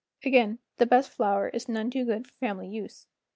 Again, the best flour is none too good for family use.